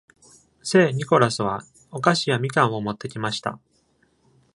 聖ニコラスは、お菓子やみかんを持ってきました。